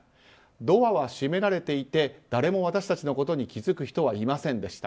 ドアは閉められていて誰も私たちのことに気づく人はいませんでした。